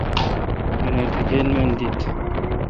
گنِر تہ گِل مِل دیت۔